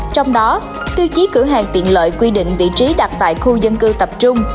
trong đó tiêu chí cửa hàng tiện lợi quy định vị trí đặt tại khu dân cư tập trung